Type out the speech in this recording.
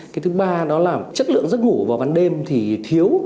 cái thứ ba đó là chất lượng giấc ngủ vào ban đêm thì thiếu